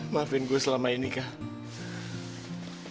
maafin gue selama ini kah